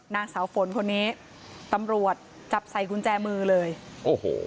นางสาวฝนคนนี้ตำรวจจับใส่กุญแจมือเลยโอ้โห